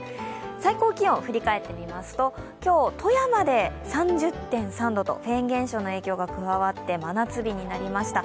最高気温、振り返って見ますと、今日、富山で３０．３度とフェーン現象の影響が加わって真夏日になりました。